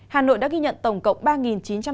hà nội đã ghi nhận tổng cộng ba chín trăm linh ca